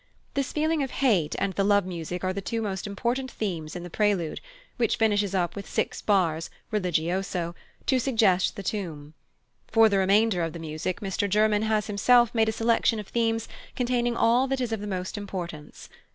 This feeling of hate and the love music are the two most important themes in the prelude, which finishes up with six bars, religioso, to suggest the tomb. For the remainder of the music Mr German has himself made a selection of themes containing all that is of the most importance.